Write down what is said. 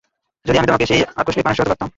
যদি আমি তোমার সেই আকাঙ্ক্ষিত মানুষটা হতে পারতাম!